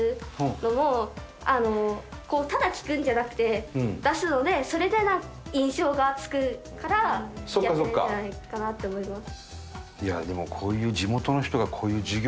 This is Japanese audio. ただ聞くんじゃなくて出すのでそれで印象がつくからやってるんじゃないかなって思います。